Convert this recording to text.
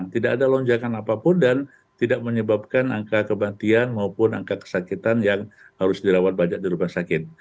tidak ada lonjakan apapun dan tidak menyebabkan angka kematian maupun angka kesakitan yang harus dirawat banyak di rumah sakit